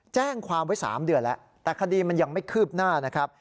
แจ้งความไว้๓เดือนแล้วแต่คดีมันยังไม่คืบหน้านะครับ